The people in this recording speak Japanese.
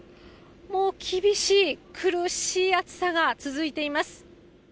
もう厳しい、苦しい暑さが続いています。